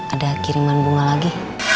ada kiriman bunga lagi